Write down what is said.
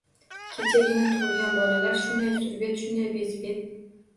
Kechagina tug‘ilgan bolalar... shunday surbet, shunday bezbet!